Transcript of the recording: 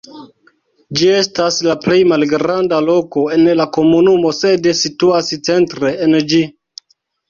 Ĝi estas la plej malgranda loko en la komunumo, sed situas centre en ĝi.